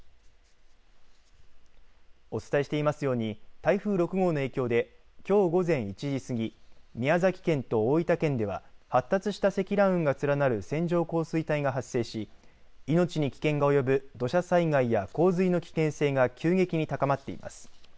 お伝えしていますように台風６号の影響できょう午前１時過ぎ宮崎県と大分県では発達した積乱雲が連なる線状降水帯が発生し命に危険が及ぶ土砂災害や洪水の危険性が急激に高まっています。